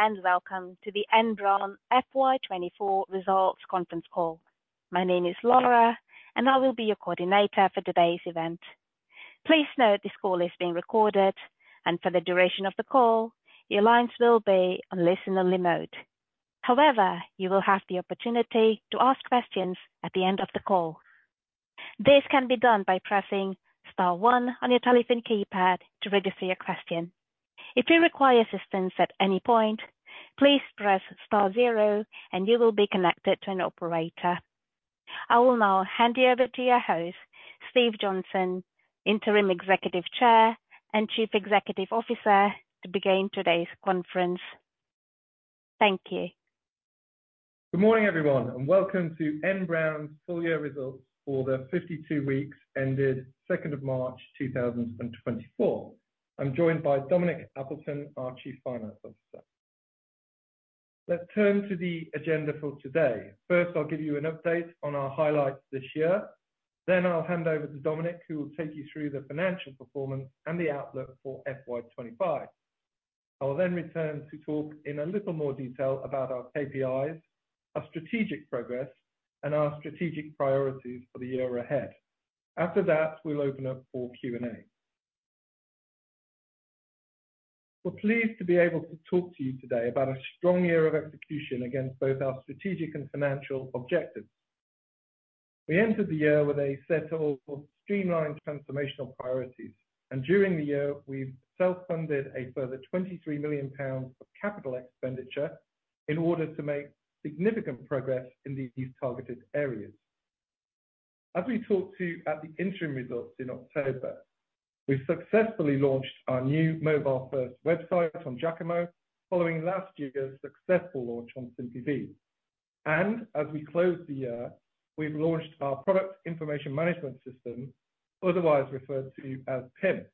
Hello, and welcome to the N Brown FY24 results conference call. My name is Laura, and I will be your coordinator for today's event. Please note, this call is being recorded, and for the duration of the call, your lines will be on listen-only mode. However, you will have the opportunity to ask questions at the end of the call. This can be done by pressing star one on your telephone keypad to register your question. If you require assistance at any point, please press star zero and you will be connected to an operator. I will now hand you over to your host, Steve Johnson, Interim Executive Chair and Chief Executive Officer, to begin today's conference. Thank you. Good morning, everyone, and welcome to N Brown's full year results for the 52 weeks ended 2nd of March 2024. I'm joined by Dominic Appleton, our Chief Finance Officer. Let's turn to the agenda for today. First, I'll give you an update on our highlights this year. Then I'll hand over to Dominic, who will take you through the financial performance and the outlook for FY25. I will then return to talk in a little more detail about our KPIs, our strategic progress, and our strategic priorities for the year ahead. After that, we'll open up for Q&A. We're pleased to be able to talk to you today about a strong year of execution against both our strategic and financial objectives. We entered the year with a set of streamlined transformational priorities, and during the year, we've self-funded a further 23 million pounds of capital expenditure in order to make significant progress in these targeted areas. As we talked about at the interim results in October, we've successfully launched our new mobile-first website on Jacamo, following last year's successful launch on Simply Be. And as we close the year, we've launched our Product Information Management system, otherwise referred to as PIM.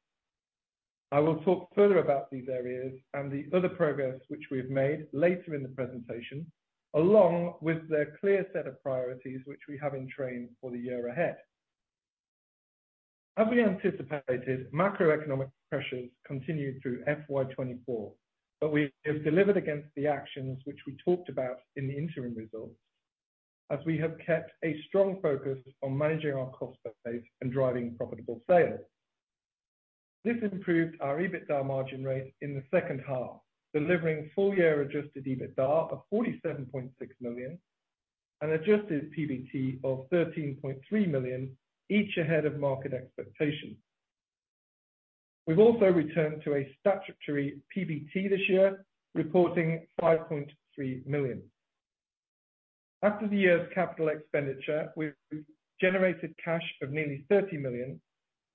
I will talk further about these areas and the other progress which we've made later in the presentation, along with the clear set of priorities which we have in train for the year ahead. As we anticipated, macroeconomic pressures continued through FY24, but we have delivered against the actions which we talked about in the interim results, as we have kept a strong focus on managing our cost base and driving profitable sales. This improved our EBITDA margin rate in the second half, delivering full year-adjusted EBITDA of 47.6 million and adjusted PBT of 13.3 million, each ahead of market expectation. We've also returned to a statutory PBT this year, reporting 5.3 million. After the year's capital expenditure, we've generated cash of nearly 30 million.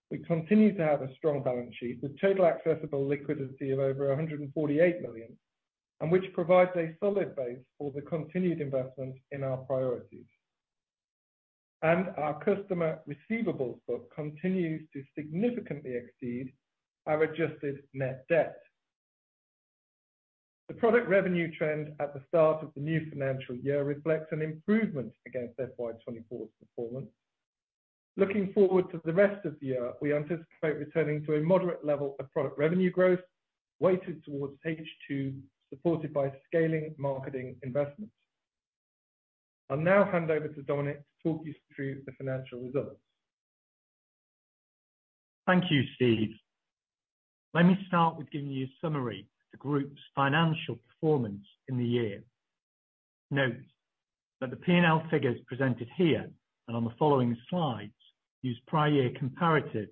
We continue to have a strong balance sheet with total accessible liquidity of over 148 million, and which provides a solid base for the continued investment in our priorities. Our customer receivables book continues to significantly exceed our adjusted net debt. The product revenue trend at the start of the new financial year reflects an improvement against FY24's performance. Looking forward to the rest of the year, we anticipate returning to a moderate level of product revenue growth, weighted towards H2, supported by scaling marketing investments. I'll now hand over to Dominic to talk you through the financial results. Thank you, Steve. Let me start with giving you a summary of the group's financial performance in the year. Note that the P&L figures presented here and on the following slides use prior year comparatives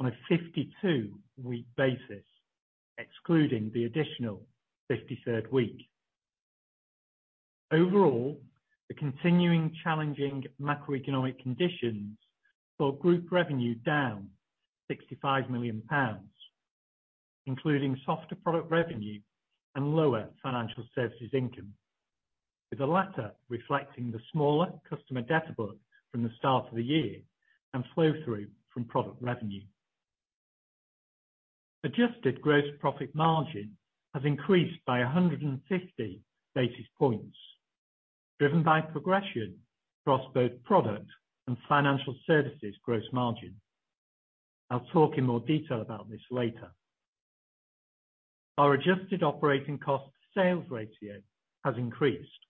on a 52-week basis, excluding the additional 53rd week. Overall, the continuing challenging macroeconomic conditions saw group revenue down 65 million pounds, including softer product revenue and lower financial services income, with the latter reflecting the smaller customer debt book from the start of the year and flow-through from product revenue. Adjusted gross profit margin has increased by 150 basis points, driven by progression across both product and financial services gross margin. I'll talk in more detail about this later. Our adjusted operating cost sales ratio has increased,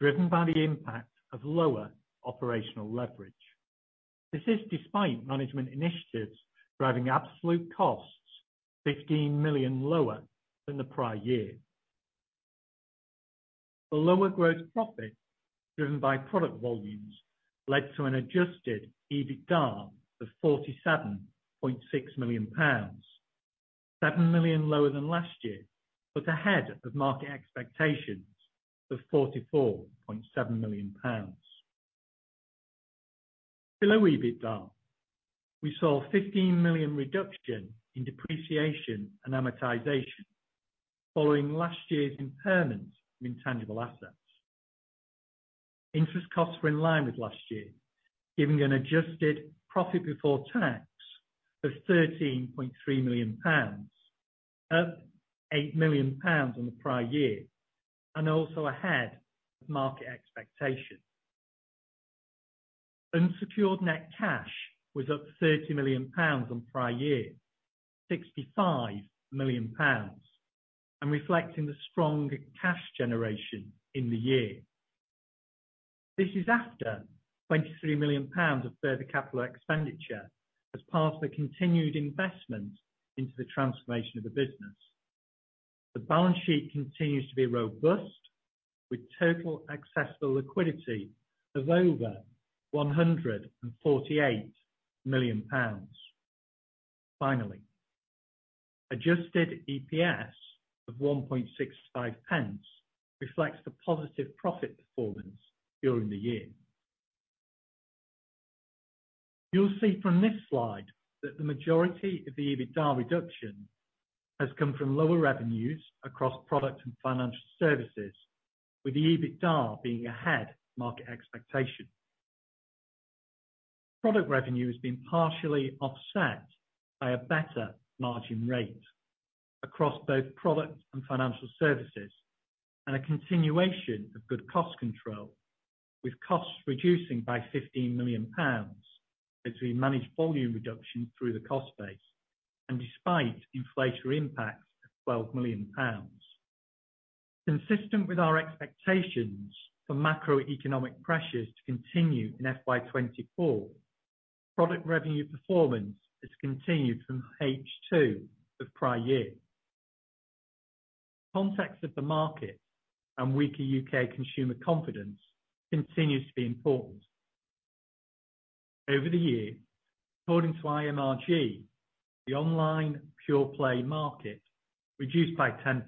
driven by the impact of lower operational leverage. This is despite management initiatives driving absolute costs 15 million lower than the prior year. The lower gross profit, driven by product volumes, led to an Adjusted EBITDA of 47.6 million pounds, 7 million lower than last year, but ahead of market expectations of 44.7 million pounds. Below EBITDA, we saw a 15 million reduction in depreciation and amortization following last year's impairment in tangible assets. Interest costs were in line with last year, giving an adjusted profit before tax of 13.3 million pounds, up 8 million pounds on the prior year and also ahead of market expectations.... Unsecured net cash was up 30 million pounds on prior year, 65 million pounds, and reflecting the strong cash generation in the year. This is after 23 million pounds of further capital expenditure, as part of the continued investment into the transformation of the business. The balance sheet continues to be robust, with total accessible liquidity of over 148 million pounds. Finally, adjusted EPS of 1.65 pence reflects the positive profit performance during the year. You'll see from this slide that the majority of the EBITDA reduction has come from lower revenues across product and financial services, with EBITDA being ahead of market expectation. Product revenue has been partially offset by a better margin rate across both product and financial services, and a continuation of good cost control, with costs reducing by 15 million pounds as we manage volume reduction through the cost base, and despite inflationary impacts of 12 million pounds. Consistent with our expectations for macroeconomic pressures to continue in FY 2024, product revenue performance has continued from H2 of prior year. Context of the market and weaker U.K. consumer confidence continues to be important. Over the year, according to IMRG, the online pure play market reduced by 10%.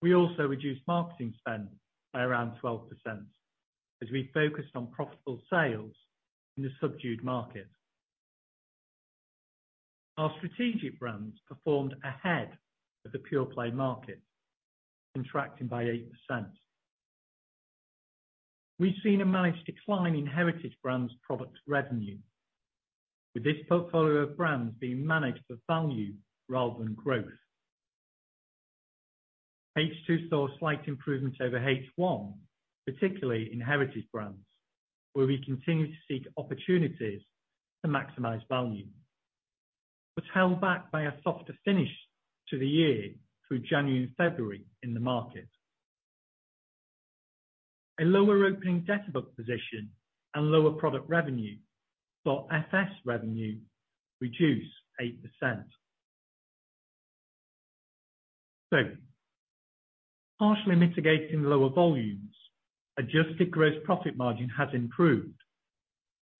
We also reduced marketing spend by around 12%, as we focused on profitable sales in a subdued market. Our strategic brands performed ahead of the pure play market, contracting by 8%. We've seen a managed decline in heritage brands product revenue, with this portfolio of brands being managed for value rather than growth. H2 saw a slight improvement over H1, particularly in heritage brands, where we continue to seek opportunities to maximize value, but held back by a softer finish to the year through January and February in the market. A lower opening debt book position and lower product revenue saw FS revenue reduce 8%. So partially mitigating lower volumes, adjusted gross profit margin has improved,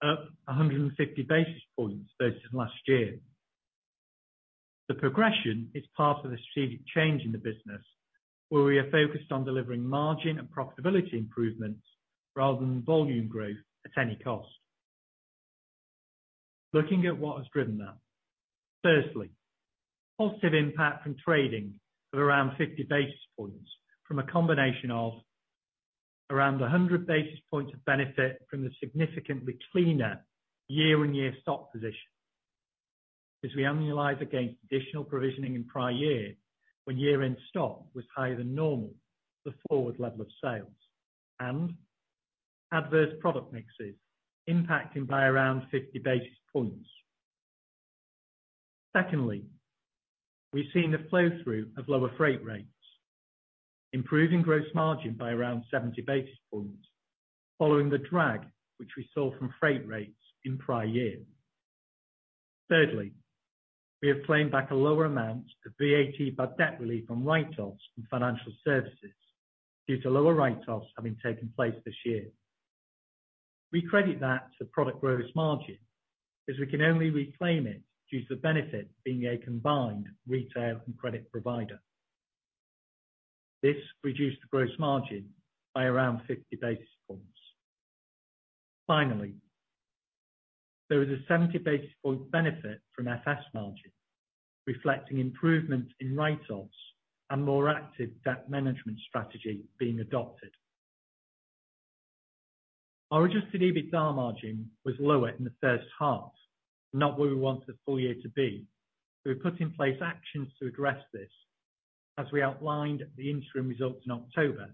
up 150 basis points versus last year. The progression is part of the strategic change in the business, where we are focused on delivering margin and profitability improvements rather than volume growth at any cost. Looking at what has driven that, firstly, positive impact from trading of around 50 basis points, from a combination of around 100 basis points of benefit from the significantly cleaner year-on-year stock position, as we annualize against additional provisioning in prior year, when year-end stock was higher than normal, the forward level of sales and adverse product mixes impacting by around 50 basis points. Secondly, we've seen a flow-through of lower freight rates, improving gross margin by around 70 basis points, following the drag which we saw from freight rates in prior year. Thirdly, we have claimed back a lower amount of VAT by debt relief from write-offs and financial services due to lower write-offs having taken place this year. We credit that to product gross margin, as we can only reclaim it due to the benefit being a combined retail and credit provider. This reduced the gross margin by around 50 basis points. Finally, there is a 70 basis points benefit from FS margin, reflecting improvement in write-offs and more active debt management strategy being adopted. Our adjusted EBITDA margin was lower in the first half, not where we want the full year to be. We've put in place actions to address this, as we outlined the interim results in October,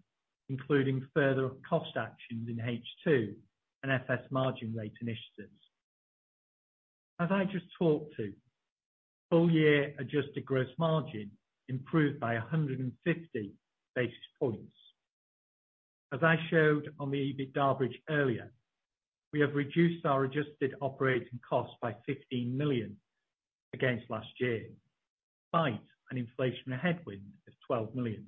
including further cost actions in H2 and FS margin rate initiatives. As I just talked to, full year adjusted gross margin improved by 150 basis points. As I showed on the EBITDA bridge earlier, we have reduced our adjusted operating costs by 15 million against last year, despite an inflationary headwind of 12 million.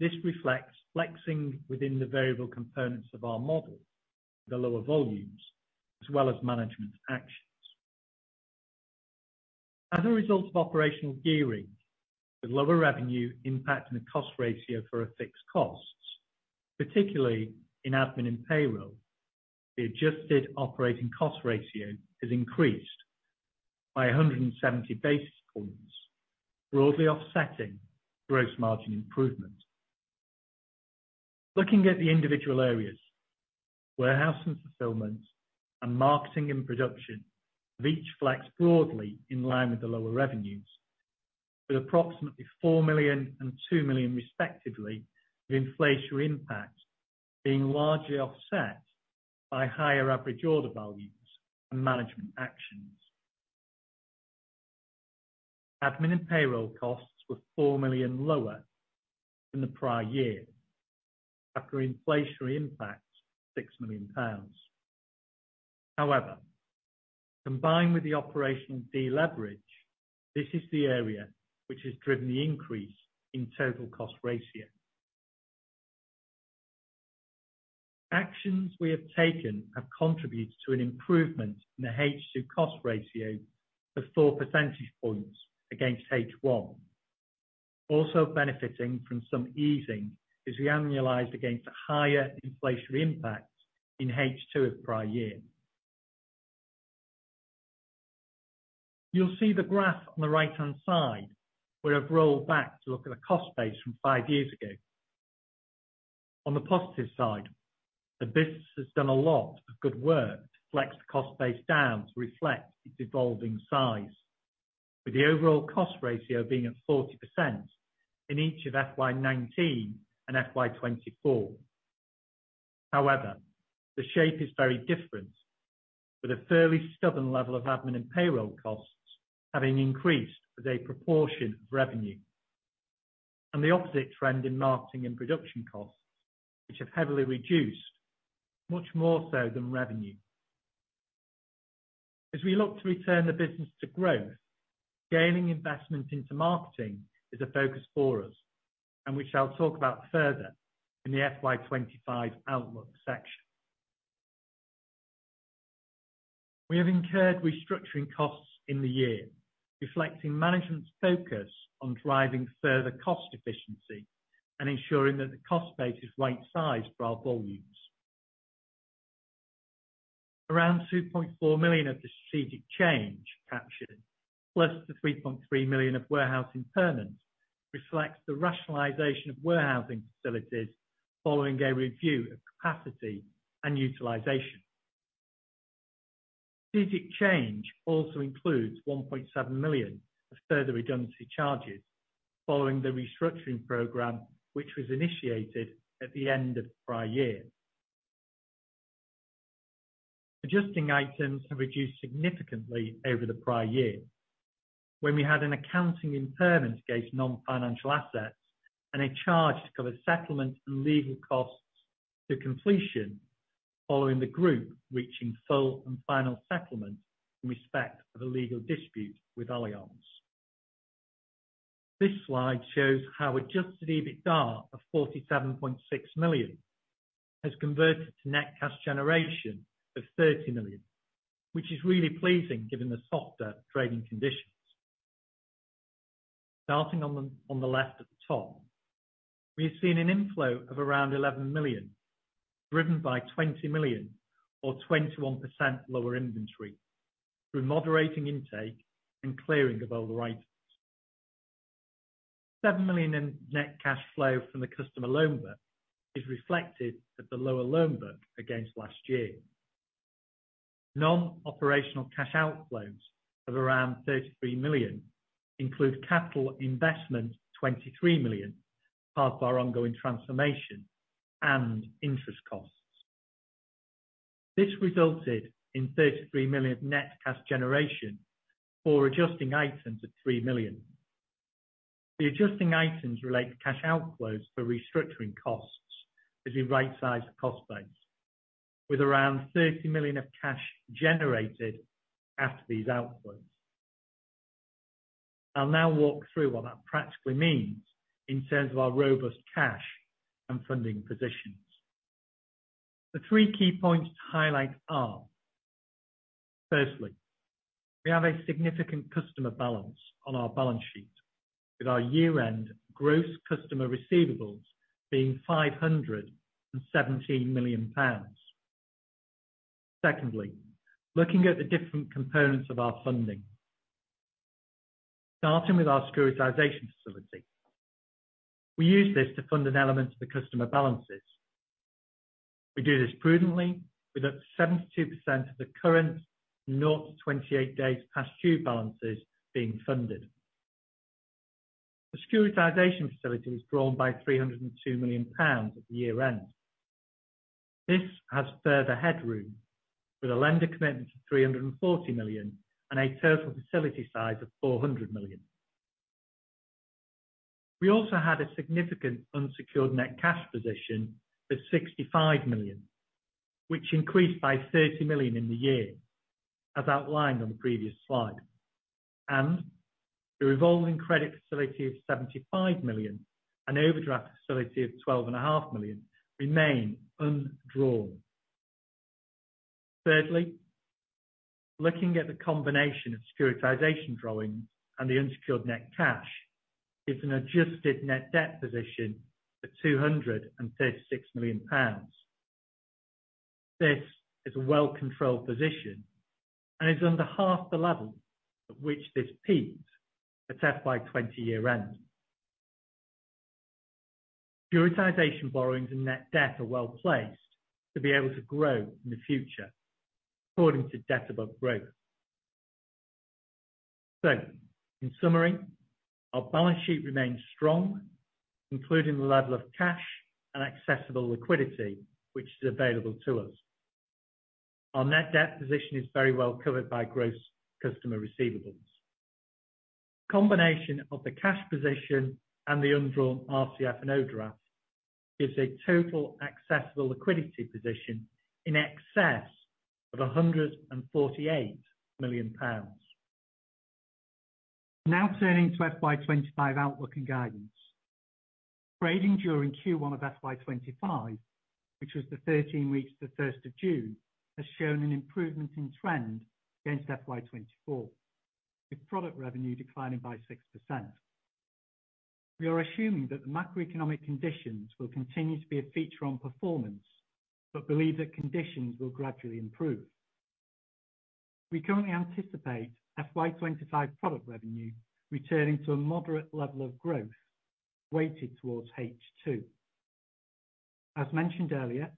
This reflects flexing within the variable components of our model, the lower volumes, as well as management actions. As a result of operational gearing, with lower revenue impacting the cost ratio for our fixed costs, particularly in admin and payroll, the adjusted operating cost ratio has increased by 170 basis points, broadly offsetting gross margin improvement. Looking at the individual areas, warehouse and fulfillment, and marketing and production have each flexed broadly in line with the lower revenues, with approximately 4 million and 2 million respectively, with inflationary impact being largely offset by higher average order values and management actions. Admin and payroll costs were 4 million lower than the prior year, after inflationary impact, 6 million pounds. However, combined with the operational deleverage, this is the area which has driven the increase in total cost ratio. Actions we have taken have contributed to an improvement in the H2 cost ratio of 4 percentage points against H1, also benefiting from some easing as we annualized against higher inflationary impacts in H2 of the prior year. You'll see the graph on the right-hand side, where I've rolled back to look at the cost base from 5 years ago. On the positive side, the business has done a lot of good work to flex the cost base down to reflect its evolving size, with the overall cost ratio being at 40% in each of FY19 and FY24. However, the shape is very different, with a fairly stubborn level of admin and payroll costs having increased as a proportion of revenue, and the opposite trend in marketing and production costs, which have heavily reduced, much more so than revenue. As we look to return the business to growth, gaining investment into marketing is a focus for us, and which I'll talk about further in the FY25 outlook section. We have incurred restructuring costs in the year, reflecting management's focus on driving further cost efficiency and ensuring that the cost base is right-sized for our volumes. Around 2.4 million of the strategic change captured, plus the 3.3 million of warehouse impairment, reflects the rationalization of warehousing facilities following a review of capacity and utilization. Strategic change also includes 1.7 million of further redundancy charges following the restructuring program, which was initiated at the end of the prior year. Adjusting items have reduced significantly over the prior year, when we had an accounting impairment against non-financial assets and a charge to cover settlement and legal costs to completion, following the group reaching full and final settlement in respect of a legal dispute with Allianz. This slide shows how adjusted EBITDA of 47.6 million has converted to net cash generation of 30 million, which is really pleasing, given the softer trading conditions. Starting on the left at the top, we have seen an inflow of around 11 million, driven by 20 million or 21% lower inventory through moderating intake and clearing of older items. Seven million in net cash flow from the customer loan book is reflected at the lower loan book against last year. Non-operational cash outflows of around 33 million include capital investment, 23 million, part of our ongoing transformation and interest costs. This resulted in 33 million of net cash generation for adjusting items of 3 million. The adjusting items relate to cash outflows for restructuring costs as we rightsize the cost base, with around 30 million of cash generated after these outflows. I'll now walk through what that practically means in terms of our robust cash and funding positions. The 3 key points to highlight are: firstly, we have a significant customer balance on our balance sheet, with our year-end gross customer receivables being 517 million pounds. Secondly, looking at the different components of our funding, starting with our securitization facility. We use this to fund an element of the customer balances. We do this prudently with up to 72% of the current 0 to 28 days past due balances being funded. The securitization facility was drawn by 302 million pounds at the year-end. This has further headroom, with a lender commitment of 340 million, and a total facility size of 400 million. We also had a significant unsecured net cash position of 65 million, which increased by 30 million in the year, as outlined on the previous slide. And the revolving credit facility of 75 million and overdraft facility of 12.5 million remain undrawn. Thirdly, looking at the combination of securitization drawings and the unsecured net cash, is an adjusted net debt position of 236 million pounds. This is a well-controlled position and is under half the level at which this peaked at FY20 year-end.... securitization borrowings and net debt are well-placed to be able to grow in the future, according to debt above growth. In summary, our balance sheet remains strong, including the level of cash and accessible liquidity, which is available to us. Our net debt position is very well covered by gross customer receivables. Combination of the cash position and the undrawn RCF and overdraft, gives a total accessible liquidity position in excess of 148 million pounds. Now turning to FY25 outlook and guidance. Trading during Q1 of FY25, which was the 13 weeks to the first of June, has shown an improvement in trend against FY24, with product revenue declining by 6%. We are assuming that the macroeconomic conditions will continue to be a feature on performance, but believe that conditions will gradually improve. We currently anticipate FY25 product revenue returning to a moderate level of growth, weighted towards H2. As mentioned earlier,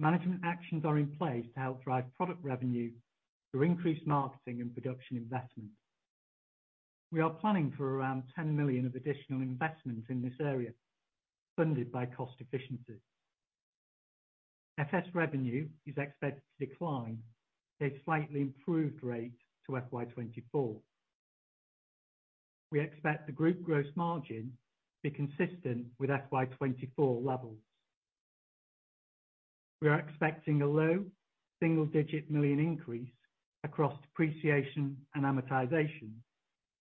management actions are in place to help drive product revenue through increased marketing and production investment. We are planning for around 10 million of additional investments in this area, funded by cost efficiencies. FS revenue is expected to decline at a slightly improved rate to FY 2024. We expect the group gross margin to be consistent with FY 2024 levels. We are expecting a low single-digit million GBP increase across depreciation and amortization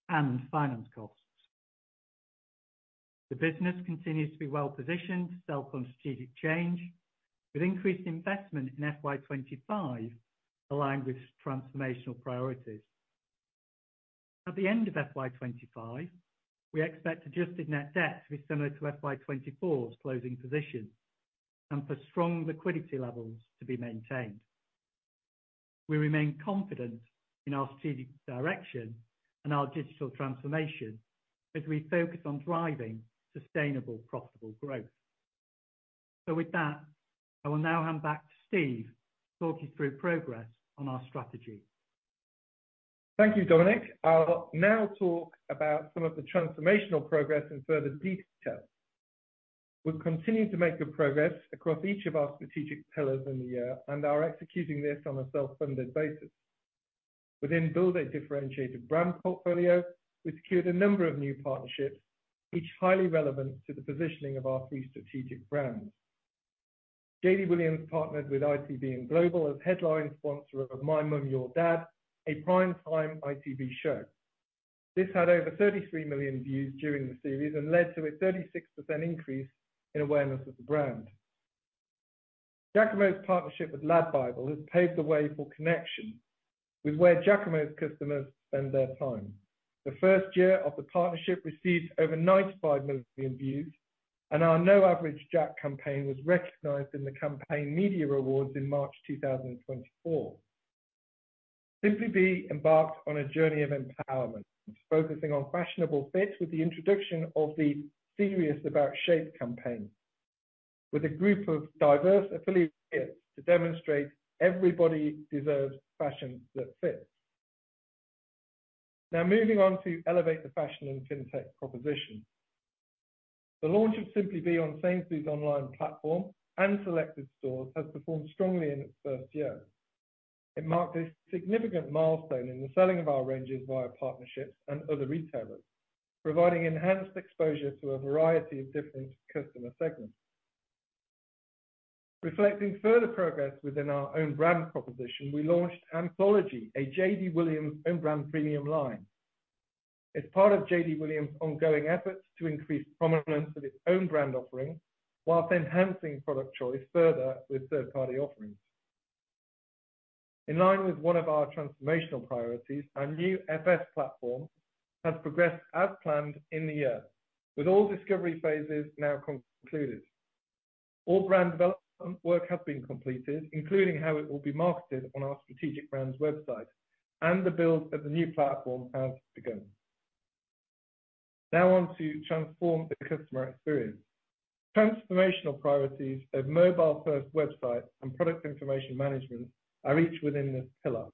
and finance costs. The business continues to be well-positioned to sell strategic change, with increased investment in FY 2025, aligned with transformational priorities. At the end of FY 2025, we expect adjusted net debt to be similar to FY 2024's closing position and for strong liquidity levels to be maintained. We remain confident in our strategic direction and our digital transformation as we focus on driving sustainable, profitable growth. With that, I will now hand back to Steve, to talk you through progress on our strategy. Thank you, Dominic. I'll now talk about some of the transformational progress in further detail. We've continued to make good progress across each of our strategic pillars in the year and are executing this on a self-funded basis. Within build a differentiated brand portfolio, we secured a number of new partnerships, each highly relevant to the positioning of our three strategic brands. JD Williams partnered with ITV and Global as headline sponsor of My Mum, Your Dad, a primetime ITV show. This had over 33 million views during the series and led to a 36% increase in awareness of the brand. Jacamo's partnership with LADbible has paved the way for connection with where Jacamo's customers spend their time. The first year of the partnership received over 95 million views, and our No Average Jack campaign was recognized in the Campaign Media Awards in March 2024. Simply Be embarked on a journey of empowerment, focusing on fashionable fits with the introduction of the Serious About Shape campaign, with a group of diverse affiliates to demonstrate everybody deserves fashion that fits. Now, moving on to elevate the fashion and fintech proposition. The launch of Simply Be on Sainsbury's online platform and selected stores has performed strongly in its first year. It marked a significant milestone in the selling of our ranges via partnerships and other retailers, providing enhanced exposure to a variety of different customer segments. Reflecting further progress within our own brand proposition, we launched Anthology, a JD Williams own brand premium line. As part of JD Williams' ongoing efforts to increase prominence of its own brand offering, while enhancing product choice further with third-party offerings. In line with one of our transformational priorities, our new FS platform has progressed as planned in the year, with all discovery phases now concluded. All brand development work has been completed, including how it will be marketed on our strategic brands website, and the build of the new platform has begun. Now on to transform the customer experience. Transformational priorities of mobile-first website and product information management are each within this pillar.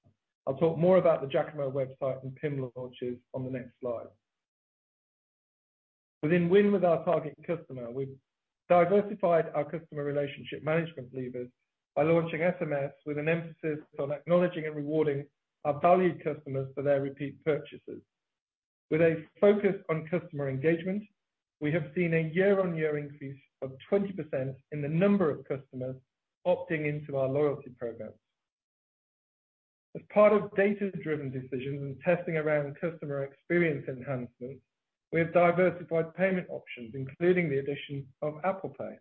I'll talk more about the Jacamo website and PIM launches on the next slide. Within win with our target customer, we've diversified our customer relationship management levers by launching SMS, with an emphasis on acknowledging and rewarding our valued customers for their repeat purchases. With a focus on customer engagement, we have seen a year-on-year increase of 20% in the number of customers opting into our loyalty program. As part of data-driven decisions and testing around customer experience enhancements, we have diversified payment options, including the addition of Apple Pay.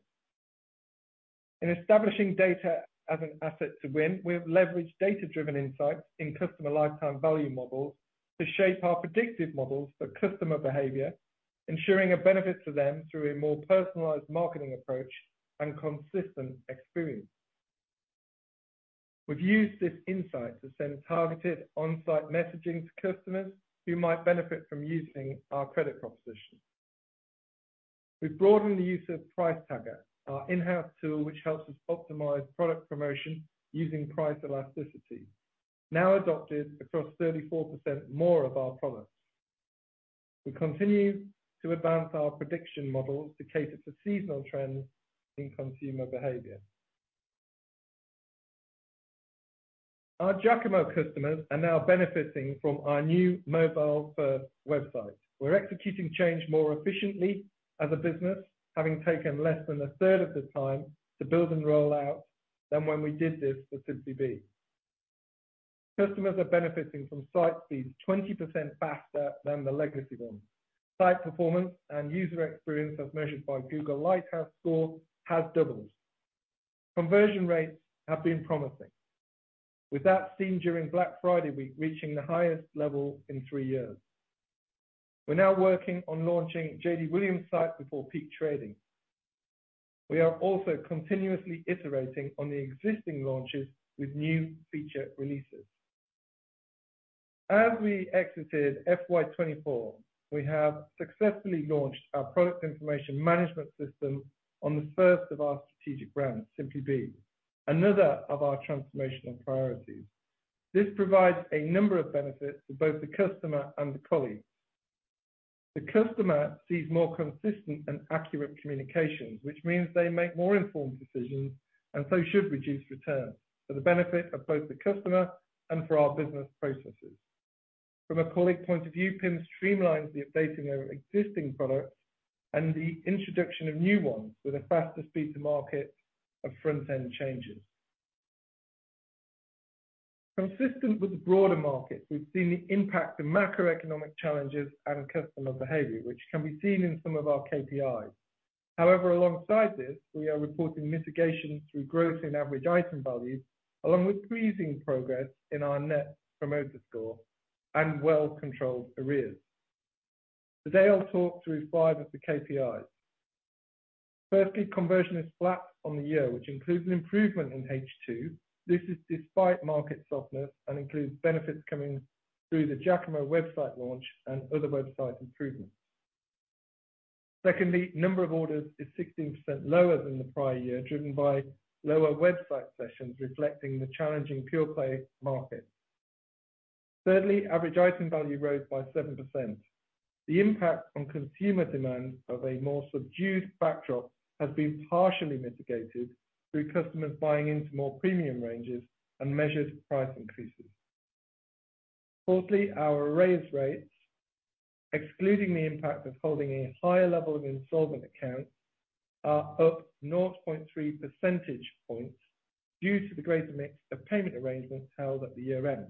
In establishing data as an asset to win, we have leveraged data-driven insights in customer lifetime value models to shape our predictive models for customer behavior, ensuring a benefit to them through a more personalized marketing approach and consistent experience. We've used this insight to send targeted on-site messaging to customers who might benefit from using our credit proposition. We've broadened the use of Price Tagger, our in-house tool, which helps us optimize product promotion using price elasticity, now adopted across 34% more of our products. We continue to advance our prediction models to cater to seasonal trends in consumer behavior. Our Jacamo customers are now benefiting from our new mobile-first website. We're executing change more efficiently as a business, having taken less than a third of the time to build and roll out than when we did this for Simply Be. Customers are benefiting from site speeds 20% faster than the legacy one. Site performance and user experience, as measured by Google Lighthouse score, has doubled. Conversion rates have been promising, with that seen during Black Friday Week, reaching the highest level in three years. We're now working on launching JD Williams site before peak trading. We are also continuously iterating on the existing launches with new feature releases. As we exited FY 2024, we have successfully launched our product information management system on the first of our strategic brands, Simply Be, another of our transformational priorities. This provides a number of benefits to both the customer and the colleague. The customer sees more consistent and accurate communications, which means they make more informed decisions and so should reduce returns for the benefit of both the customer and for our business processes. From a colleague point of view, PIM streamlines the updating of existing products and the introduction of new ones with a faster speed to market of front-end changes. Consistent with the broader market, we've seen the impact of macroeconomic challenges and customer behavior, which can be seen in some of our KPIs. However, alongside this, we are reporting mitigation through growth in average item value, along with pleasing progress in our net promoter score and well-controlled arrears. Today, I'll talk through five of the KPIs. Firstly, conversion is flat on the year, which includes an improvement in H2. This is despite market softness and includes benefits coming through the Jacamo website launch and other website improvements. Secondly, number of orders is 16% lower than the prior year, driven by lower website sessions, reflecting the challenging pure-play market. Thirdly, average item value rose by 7%. The impact on consumer demand of a more subdued backdrop has been partially mitigated through customers buying into more premium ranges and measured price increases. Fourthly, our arrears rates, excluding the impact of holding a higher level of insolvent accounts, are up 0.3 percentage points due to the greater mix of payment arrangements held at the year-end.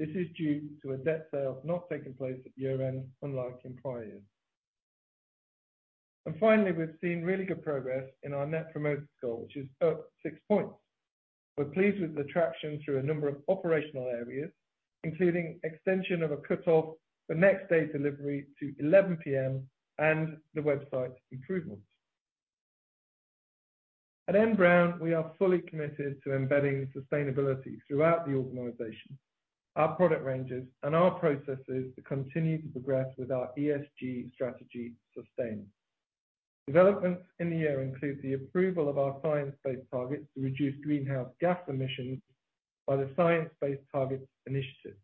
This is due to a debt sale not taking place at year-end, unlike in prior years. And finally, we've seen really good progress in our Net Promoter Score, which is up 6 points. We're pleased with the traction through a number of operational areas, including extension of a cut-off for next-day delivery to 11 P.M. and the website improvements. At N Brown, we are fully committed to embedding sustainability throughout the organization, our product ranges, and our processes to continue to progress with our ESG strategy sustained. Developments in the year include the approval of our science-based target to reduce greenhouse gas emissions by the Science Based Targets initiative.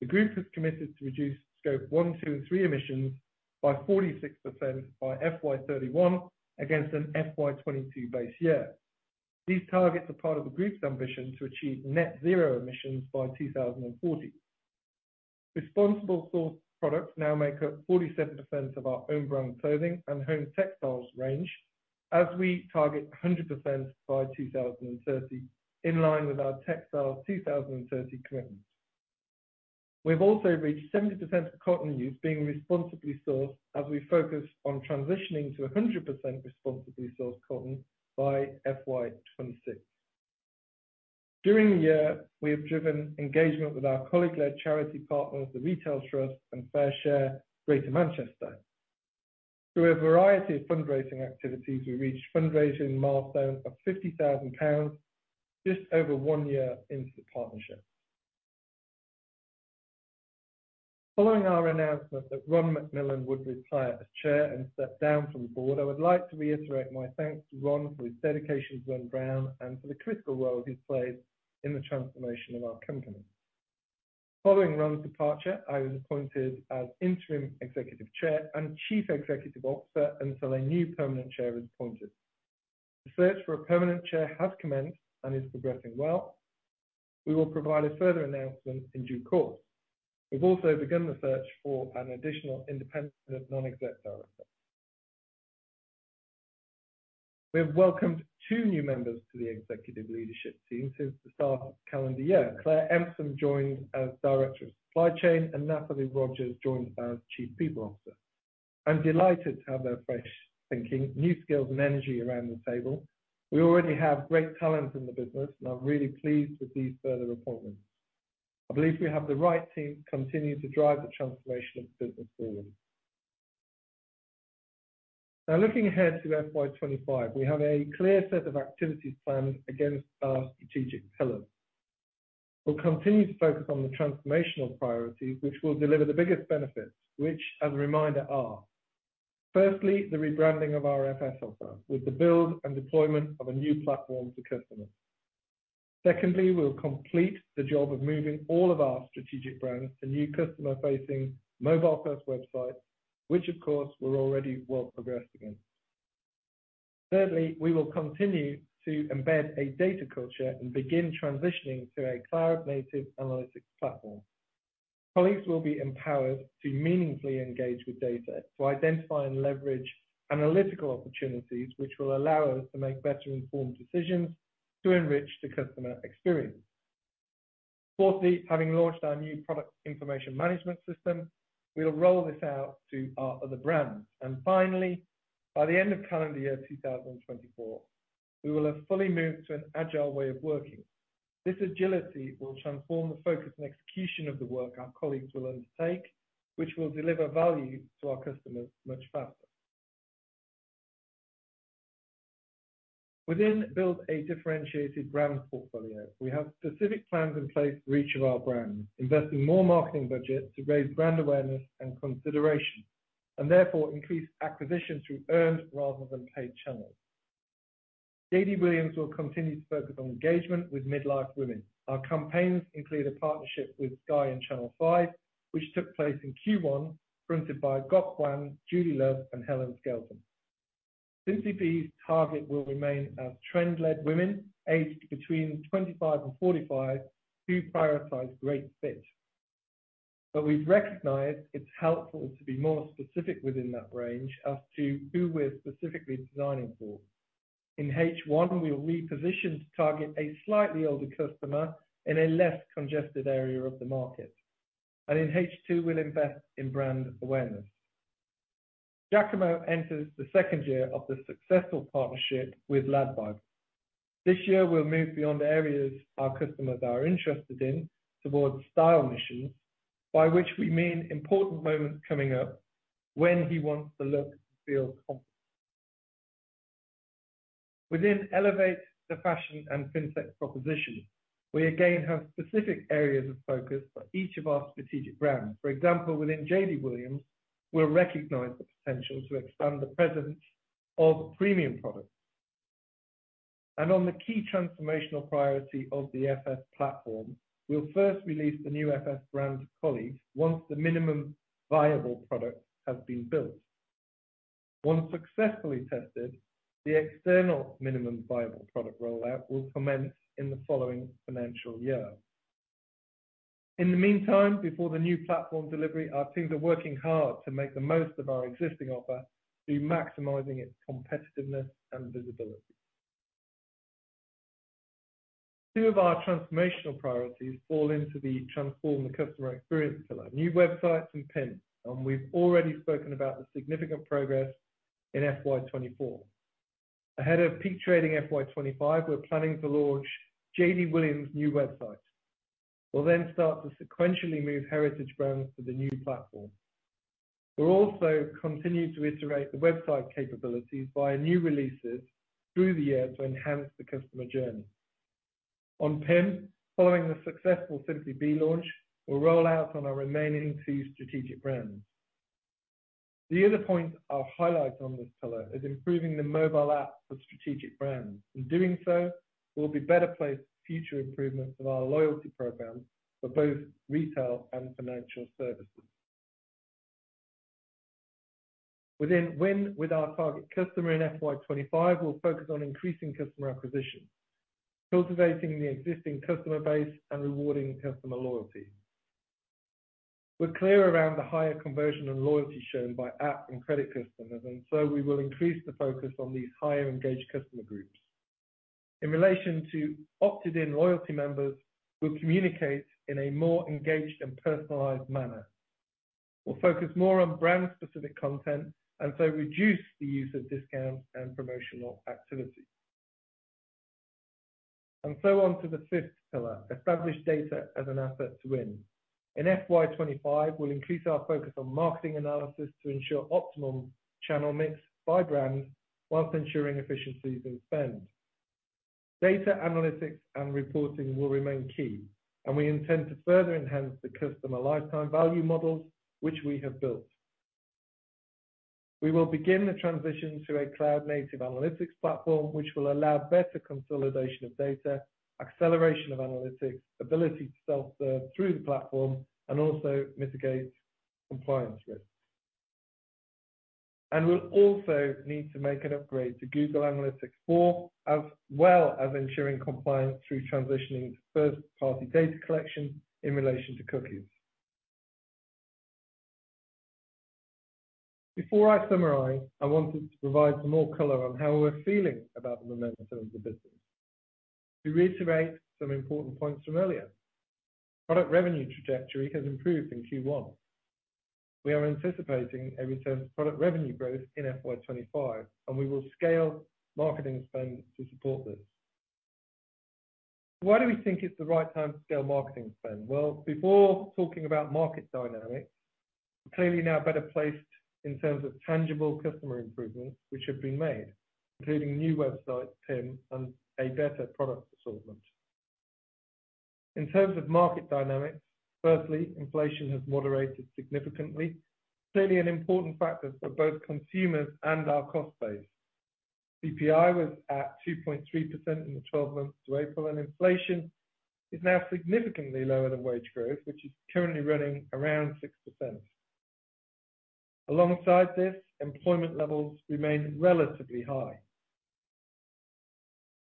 The group has committed to reduce Scope 1, 2, and 3 Emissions by 46% by FY31 against an FY22 base year. These targets are part of the group's ambition to achieve net zero emissions by 2040. Responsibly sourced products now make up 47% of our own brand clothing and home textiles range, as we target 100% by 2030, in line with our Textiles 2030 commitment. We've also reached 70% of cotton use being responsibly sourced as we focus on transitioning to 100% responsibly sourced cotton by FY26. During the year, we have driven engagement with our colleague-led charity partners, the Retail Trust and FareShare Greater Manchester. Through a variety of fundraising activities, we reached a fundraising milestone of 50,000 pounds, just over one year into the partnership. Following our announcement that Ron McMillan would retire as chair and step down from the board, I would like to reiterate my thanks to Ron for his dedication to N Brown and for the critical role he's played in the transformation of our company. Following Ron's departure, I was appointed as Interim Executive Chair and Chief Executive Officer until a new permanent chair is appointed. The search for a permanent chair has commenced and is progressing well. We will provide a further announcement in due course. We've also begun the search for an additional independent non-exec director. We have welcomed two new members to the executive leadership team since the start of the calendar year. Clare Empson joined as Director of Supply Chain, and Natalie Rogers joined as Chief People Officer. I'm delighted to have their fresh thinking, new skills, and energy around the table. We already have great talent in the business, and I'm really pleased with these further appointments. I believe we have the right team to continue to drive the transformation of the business forward.... Now looking ahead to FY25, we have a clear set of activities planned against our strategic pillars. We'll continue to focus on the transformational priorities, which will deliver the biggest benefits, which, as a reminder, are: firstly, the rebranding of our FS offer with the build and deployment of a new platform to customers. Secondly, we'll complete the job of moving all of our strategic brands to new customer-facing mobile-first websites, which of course, we're already well progressed again. Thirdly, we will continue to embed a data culture and begin transitioning to a cloud-native analytics platform. Colleagues will be empowered to meaningfully engage with data to identify and leverage analytical opportunities, which will allow us to make better informed decisions to enrich the customer experience. Fourthly, having launched our new product information management system, we'll roll this out to our other brands. And finally, by the end of the current year, 2024, we will have fully moved to an agile way of working. This agility will transform the focus and execution of the work our colleagues will undertake, which will deliver value to our customers much faster. Within build a differentiated brand portfolio, we have specific plans in place for each of our brands, investing more marketing budget to raise brand awareness and consideration, and therefore increase acquisitions through earned rather than paid channels. JD Williams will continue to focus on engagement with mid-life women. Our campaigns include a partnership with Sky and Channel 5, which took place in Q1, presented by Gok Wan, Judi Love, and Helen Skelton. Simply Be's target will remain as trend-led women, aged between 25 and 45, who prioritize great fit. But we recognize it's helpful to be more specific within that range as to who we're specifically designing for. In H1, we will reposition to target a slightly older customer in a less congested area of the market. In H2, we'll invest in brand awareness. Jacamo enters the second year of the successful partnership with LADbible. This year, we'll move beyond the areas our customers are interested in towards style missions, by which we mean important moments coming up when he wants to look and feel confident. Within elevate the fashion and Fintech proposition, we again have specific areas of focus for each of our strategic brands. For example, within JD Williams, we recognize the potential to expand the presence of premium products. On the key transformational priority of the FS platform, we'll first release the new FS brand to colleagues once the minimum viable product has been built. Once successfully tested, the external minimum viable product rollout will commence in the following financial year. In the meantime, before the new platform delivery, our teams are working hard to make the most of our existing offer to maximizing its competitiveness and visibility. Two of our transformational priorities fall into the transform the customer experience pillar, new websites and PIM, and we've already spoken about the significant progress in FY24. Ahead of peak trading FY25, we're planning to launch JD Williams' new website. We'll then start to sequentially move heritage brands to the new platform. We'll also continue to iterate the website capabilities via new releases through the year to enhance the customer journey. On PIM, following the successful Simply Be launch, we'll roll out on our remaining two strategic brands. The other point I'll highlight on this pillar is improving the mobile app for strategic brands. In doing so, we'll be better placed for future improvements of our loyalty program for both retail and financial services. Win with our target customer in FY 25, we'll focus on increasing customer acquisition, cultivating the existing customer base, and rewarding customer loyalty. We're clear around the higher conversion and loyalty shown by app and credit customers, and so we will increase the focus on these higher engaged customer groups. In relation to opted-in loyalty members, we'll communicate in a more engaged and personalized manner. We'll focus more on brand-specific content, and so reduce the use of discounts and promotional activity. And so on to the fifth pillar, establish data as an asset to win. In FY 25, we'll increase our focus on marketing analysis to ensure optimum channel mix by brands, while ensuring efficiencies in spend. Data analytics and reporting will remain key, and we intend to further enhance the customer lifetime value models, which we have built. We will begin the transition to a cloud-native analytics platform, which will allow better consolidation of data, acceleration of analytics, ability to self-serve through the platform, and also mitigate compliance risk. We'll also need to make an upgrade to Google Analytics 4, as well as ensuring compliance through transitioning to first-party data collection in relation to cookies. Before I summarize, I wanted to provide some more color on how we're feeling about the momentum of the business. To reiterate some important points from earlier, product revenue trajectory has improved in Q1. We are anticipating a return of product revenue growth in FY25, and we will scale marketing spend to support this.... Why do we think it's the right time to scale marketing spend? Well, before talking about market dynamics, clearly now better placed in terms of tangible customer improvements which have been made, including new website, PIM, and a better product assortment. In terms of market dynamics, firstly, inflation has moderated significantly, clearly an important factor for both consumers and our cost base. CPI was at 2.3% in the twelve months to April, and inflation is now significantly lower than wage growth, which is currently running around 6%. Alongside this, employment levels remain relatively high.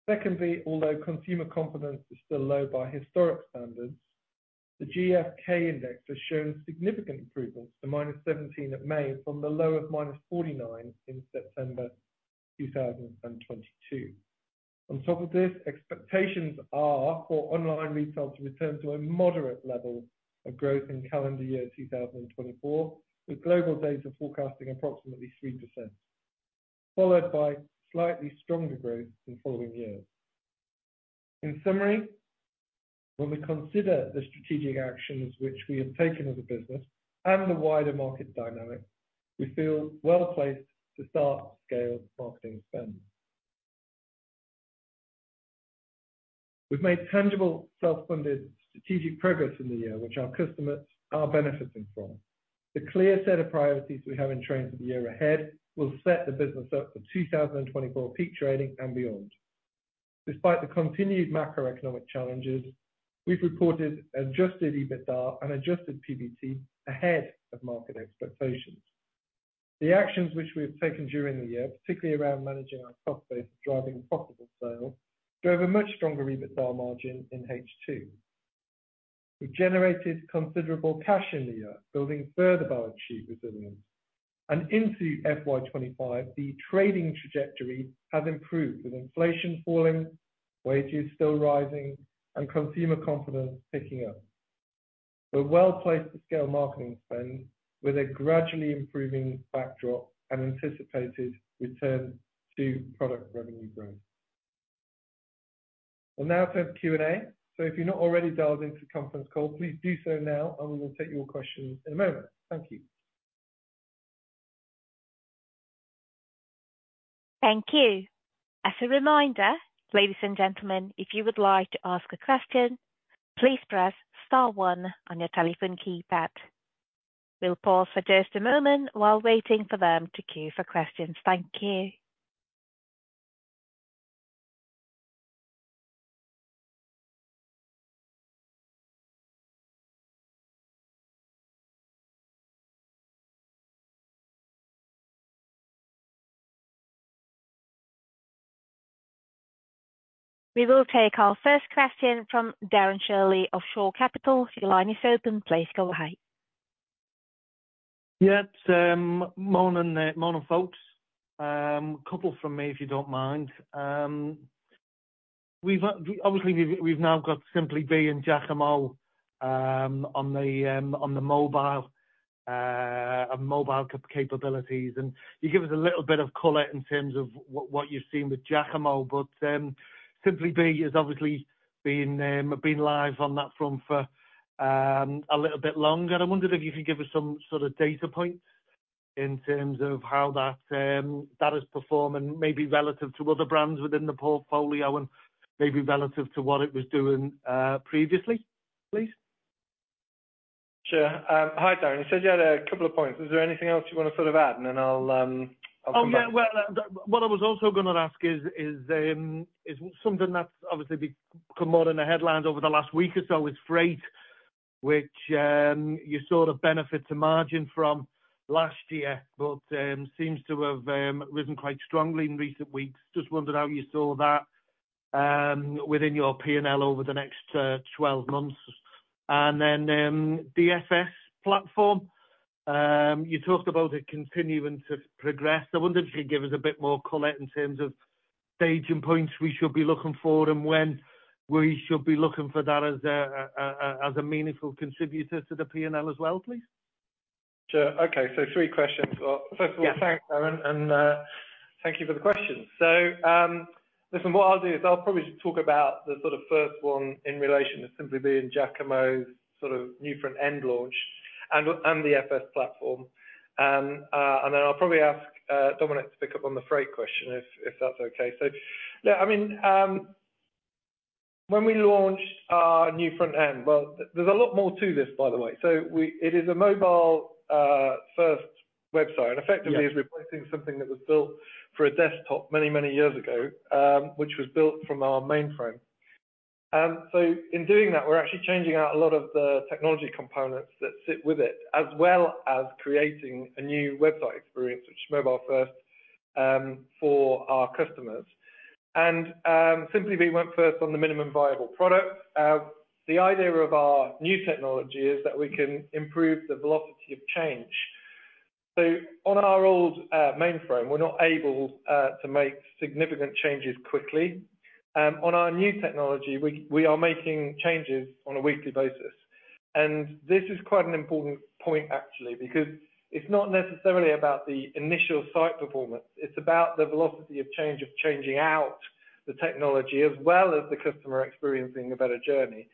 Secondly, although consumer confidence is still low by historic standards, the GfK index has shown significant improvements to -17 in May from the low of -49 in September 2022. On top of this, expectations are for online retail to return to a moderate level of growth in calendar year 2024, with GlobalData forecasting approximately 3%, followed by slightly stronger growth in following years. In summary, when we consider the strategic actions which we have taken as a business and the wider market dynamic, we feel well placed to start scale marketing spend. We've made tangible, self-funded, strategic progress in the year, which our customers are benefiting from. The clear set of priorities we have in train for the year ahead will set the business up for 2024 peak trading and beyond. Despite the continued macroeconomic challenges, we've reported Adjusted EBITDA and Adjusted PBT ahead of market expectations. The actions which we have taken during the year, particularly around managing our cost base, driving profitable sales, drove a much stronger EBITDA margin in H2. We generated considerable cash in the year, building further our cash resilience. Into FY25, the trading trajectory has improved, with inflation falling, wages still rising and consumer confidence picking up. We're well placed to scale marketing spend with a gradually improving backdrop and anticipated return to product revenue growth. We'll now take Q&A, so if you're not already dialed into the conference call, please do so now, and we will take your questions in a moment. Thank you. Thank you. As a reminder, ladies and gentlemen, if you would like to ask a question, please press star one on your telephone keypad. We'll pause for just a moment while waiting for them to queue for questions. Thank you. We will take our first question from Darren Shirley of Shore Capital. Your line is open. Please go ahead. Yes, morning, morning, folks. A couple from me, if you don't mind. We've obviously now got Simply Be and Jacamo on the mobile capabilities, and could you give us a little bit of color in terms of what you've seen with Jacamo? But Simply Be has obviously been live on that front for a little bit longer. I wondered if you could give us some sort of data points in terms of how that is performing, maybe relative to other brands within the portfolio and maybe relative to what it was doing previously, please. Sure. Hi, Darren. You said you had a couple of points. Is there anything else you want to sort of add? And then I'll- Oh, yeah. Well, what I was also gonna ask is something that's obviously been more in the headlines over the last week or so is freight, which you sort of benefit to margin from last year, but seems to have risen quite strongly in recent weeks. Just wondered how you saw that within your PNL over the next 12 months. And then, the FS platform, you talked about it continuing to progress. I wondered if you'd give us a bit more color in terms of staging points we should be looking for and when we should be looking for that as a meaningful contributor to the PNL as well, please. Sure. Okay, so three questions. Yeah. Well, first of all, thanks, Darren, and, thank you for the question. So, listen, what I'll do is I'll probably talk about the sort of first one in relation to Simply Be and Jacamo's sort of new front-end launch and, and the FS platform. And then I'll probably ask, Dominic to pick up on the freight question, if, if that's okay. So, yeah, I mean, when we launched our new front end. Well, there's a lot more to this, by the way. So we-- It is a mobile-first website- Yeah... and effectively, is replacing something that was built for a desktop many, many years ago, which was built from our mainframe. So in doing that, we're actually changing out a lot of the technology components that sit with it, as well as creating a new website experience, which is mobile first, for our customers. And, Simply Be went first on the minimum viable product. The idea of our new technology is that we can improve the velocity of change. So on our old mainframe, we're not able to make significant changes quickly. On our new technology, we are making changes on a weekly basis.... And this is quite an important point actually, because it's not necessarily about the initial site performance, it's about the velocity of change of changing out the technology as well as the customer experiencing a better journey.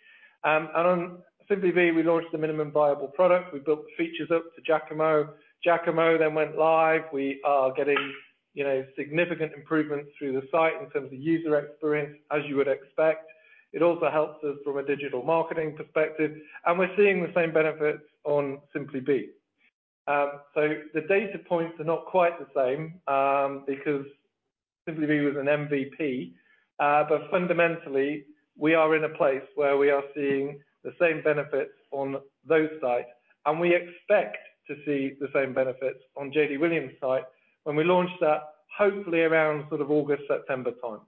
And on Simply Be, we launched the minimum viable product. We built the features up to Jacamo. Jacamo then went live. We are getting, you know, significant improvements through the site in terms of user experience, as you would expect. It also helps us from a digital marketing perspective, and we're seeing the same benefits on Simply Be. So the data points are not quite the same because Simply Be was an MVP, but fundamentally, we are in a place where we are seeing the same benefits on those sites, and we expect to see the same benefits on JD Williams site when we launch that, hopefully around sort of August, September time.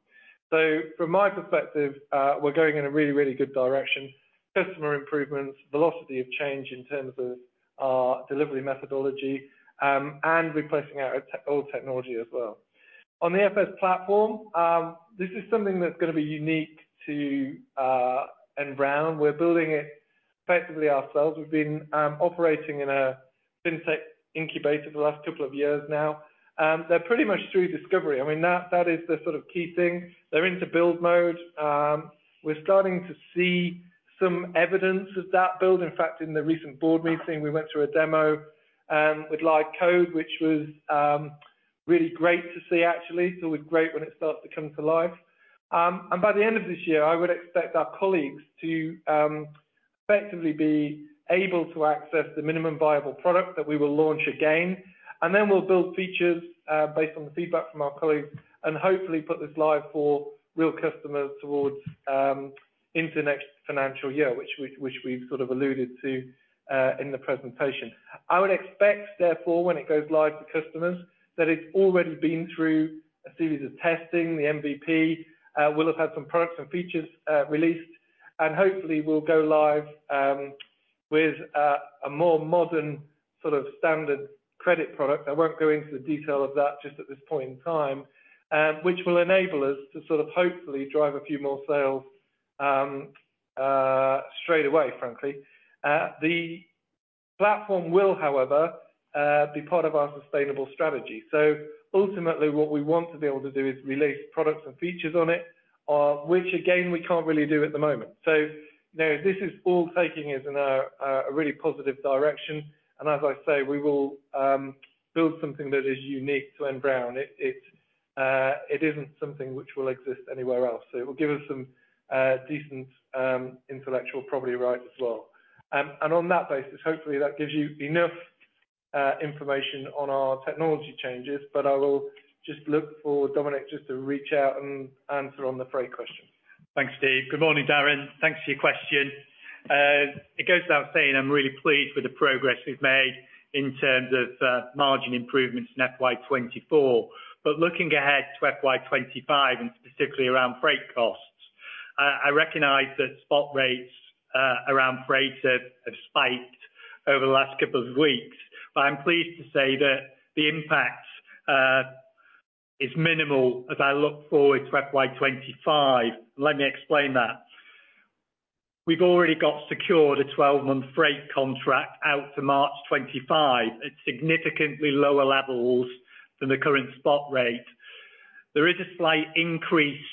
So from my perspective, we're going in a really, really good direction. Customer improvements, velocity of change in terms of our delivery methodology, and replacing our old technology as well. On the FS platform, this is something that's gonna be unique to N Brown. We're building it effectively ourselves. We've been operating in a fintech incubator the last couple of years now, and they're pretty much through discovery. I mean, that is the sort of key thing. They're into build mode. We're starting to see some evidence of that build. In fact, in the recent board meeting, we went through a demo with live code, which was really great to see actually. It's always great when it starts to come to life. By the end of this year, I would expect our colleagues to effectively be able to access the minimum viable product that we will launch again, and then we'll build features based on the feedback from our colleagues, and hopefully put this live for real customers towards into next financial year, which we've sort of alluded to in the presentation. I would expect, therefore, when it goes live to customers, that it's already been through a series of testing. The MVP will have had some products and features released, and hopefully will go live with a more modern, sort of, standard credit product. I won't go into the detail of that just at this point in time, which will enable us to sort of hopefully drive a few more sales straight away, frankly. The platform will, however, be part of our sustainable strategy. So ultimately, what we want to be able to do is release products and features on it, which again, we can't really do at the moment. So you know, this is all taking us in a really positive direction, and as I say, we will build something that is unique to N Brown. It isn't something which will exist anywhere else, so it will give us some decent intellectual property rights as well. And on that basis, hopefully that gives you enough information on our technology changes, but I will just look for Dominic just to reach out and answer on the freight question. Thanks, Steve. Good morning, Darren. Thanks for your question. It goes without saying, I'm really pleased with the progress we've made in terms of, margin improvements in FY 2024. But looking ahead to FY 2025, and specifically around freight costs, I recognize that spot rates around freight have spiked over the last couple of weeks, but I'm pleased to say that the impact is minimal as I look forward to FY 2025. Let me explain that. We've already got secured a 12-month freight contract out to March 2025 at significantly lower levels than the current spot rate. There is a slight increase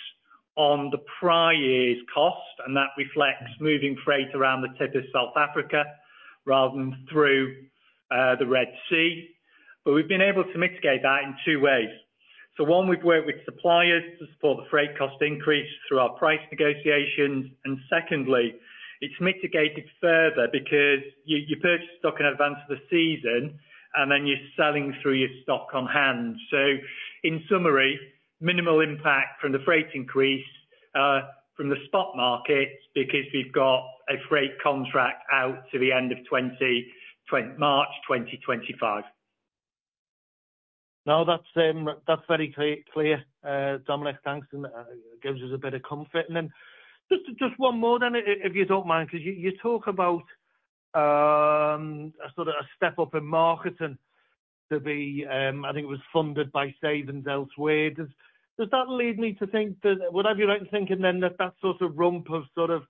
on the prior year's cost, and that reflects moving freight around the tip of South Africa rather than through the Red Sea, but we've been able to mitigate that in two ways. So one, we've worked with suppliers to support the freight cost increase through our price negotiations, and secondly, it's mitigated further because you purchase stock in advance of the season, and then you're selling through your stock on hand. So in summary, minimal impact from the freight increase from the spot market, because we've got a freight contract out to the end of March 2025. No, that's very clear, Dominic. Thanks, and that gives us a bit of comfort. And then just one more then, if you don't mind, 'cause you talk about a sort of a step-up in marketing to be, I think it was funded by savings elsewhere. Does that lead me to think that... Would I be right in thinking then, that that sort of rump of sort of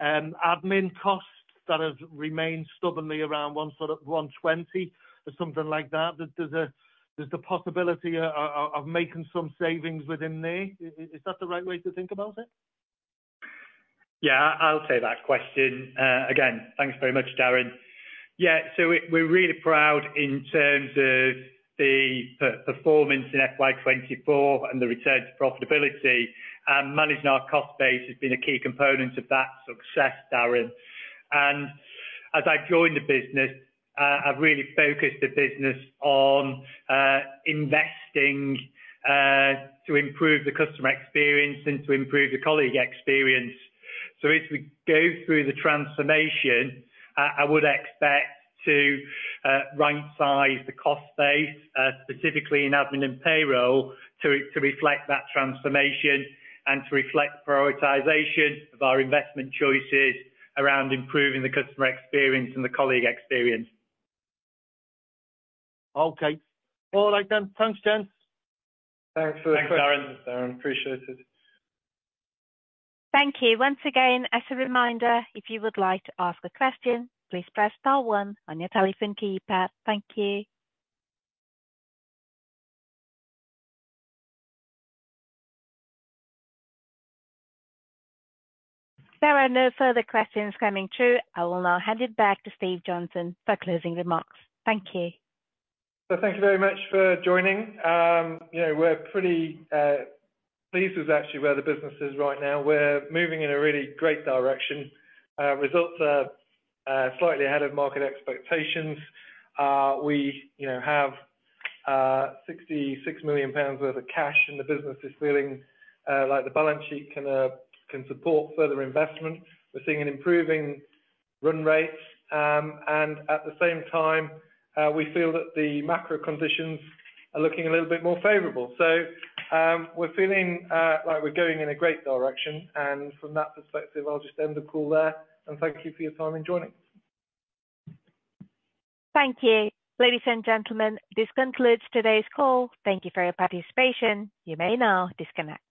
admin costs that have remained stubbornly around 120 or something like that, there's the possibility of making some savings within there? Is that the right way to think about it? Yeah, I'll take that question. Again, thanks very much, Darren. Yeah, so we're really proud in terms of the performance in FY24 and the return to profitability, and managing our cost base has been a key component of that success, Darren. And as I joined the business, I've really focused the business on investing to improve the customer experience and to improve the colleague experience. So as we go through the transformation, I would expect to rightsize the cost base, specifically in admin and payroll, to reflect that transformation and to reflect prioritization of our investment choices around improving the customer experience and the colleague experience. Okay. All right then. Thanks, gents. Thanks for the question- Thanks, Darren. Darren, appreciate it. Thank you. Once again, as a reminder, if you would like to ask a question, please press star one on your telephone keypad. Thank you. There are no further questions coming through. I will now hand it back to Steve Johnson for closing remarks. Thank you. So thank you very much for joining. You know, we're pretty pleased with actually where the business is right now. We're moving in a really great direction. Results are slightly ahead of market expectations. We, you know, have 66 million pounds worth of cash, and the business is feeling like the balance sheet can support further investment. We're seeing an improving run rate, and at the same time, we feel that the macro conditions are looking a little bit more favorable. So, we're feeling like we're going in a great direction, and from that perspective, I'll just end the call there, and thank you for your time in joining us. Thank you. Ladies and gentlemen, this concludes today's call. Thank you for your participation. You may now disconnect.